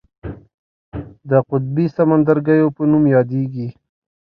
د قطبي سمندرګیو په نوم یادیږي.